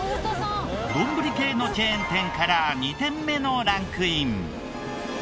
丼系のチェーン店から２店目のランクイン。